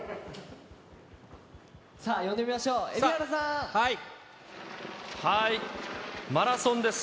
さあ、呼んでみましょう、マラソンです。